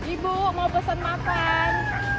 ibu mau pesan makan